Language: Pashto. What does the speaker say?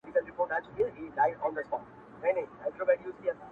لږ خو ځان بدرنگه كړه لږ ماته هـم راپــرېــږده يـار،